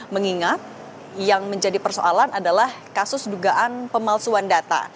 mengingat yang menjadi persoalan adalah kasus dugaan pemalsuan data